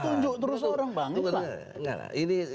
jangan tunjuk terus orang bang